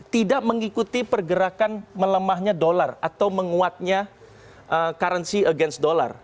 tidak mengikuti pergerakan melemahnya dolar atau menguatnya currency against dollar